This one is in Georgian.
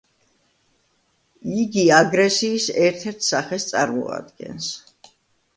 იგი აგრესიის ერთ-ერთ სახეს წარმოადგენს.